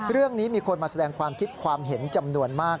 เรื่องนี้มีคนมาแสดงความคิดความเห็นจำนวนมาก